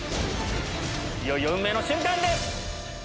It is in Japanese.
いよいよ運命の瞬間です！